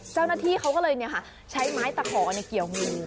เจ้าหน้าที่เขาก็เลยใช้ไม้ตะขอเกี่ยวมือ